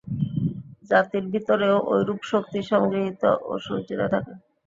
জাতির ভিতরেও ঐরূপ শক্তি সংগৃহীত ও সঞ্চিত থাকে।